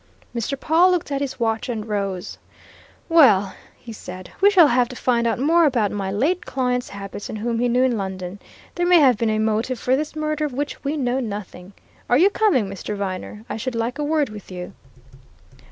Mr. Pawle looked at his watch and rose. "Well!" he said. "We shall have to find out more about my late client's habits and whom he knew in London. There may have been a motive for this murder of which we know nothing. Are you coming, Mr. Viner? I should like a word with you!"